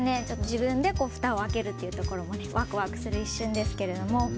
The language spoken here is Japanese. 自分でふたを開けるというところもワクワクする一瞬ですけども。